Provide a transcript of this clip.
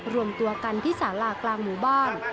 รวมตัวกันที่สารากลางหมู่บ้าน